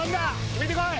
決めてこい！